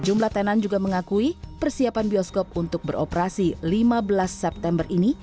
sejumlah tenan juga mengakui persiapan bioskop untuk beroperasi lima belas september ini